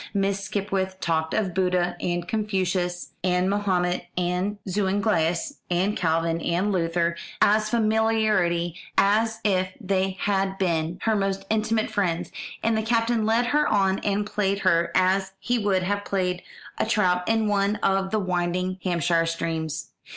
Miss Skipwith talked of Buddha, and Confucius, and Mahomet, and Zuinglius, and Calvin, and Luther, as familiarly as if they had been her most intimate friends; and the Captain led her on and played her as he would have played a trout in one of the winding Hampshire streams.